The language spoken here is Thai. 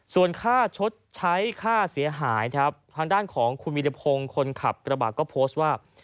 ส่วนค่าชดใช้ค่าเสียหายครับทางด้านของคุณวิรพงศ์คนขับกระบะก็โพสต์ว่า